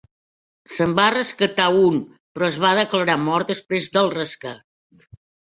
Se"n va rescatar un però es va declarar mort després del recat.